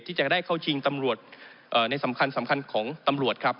ที่จะได้เข้าชิงตำรวจในสำคัญของตำรวจครับ